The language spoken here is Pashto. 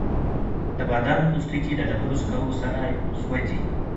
د بادامو پوستکي د ډبرو سکرو سره سوځي؟